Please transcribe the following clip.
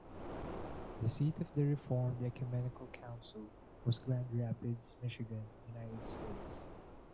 The seat of the Reformed Ecumenical Council was Grand Rapids, Michigan, United States.